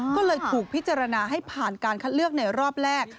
ก็เลยถูกพิจารณาให้ผ่านการคัดเลือกในรอบแรก